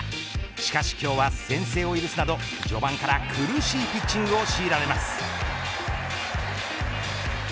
しかし今日は、先制を許すなど序盤から、苦しいピッチングを強いられます。